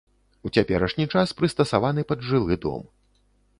У цяперашні час прыстасаваны пад жылы дом.